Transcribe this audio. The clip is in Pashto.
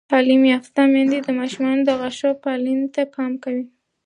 تعلیم یافته میندې د ماشومانو د غاښونو پاکوالي ته پام کوي.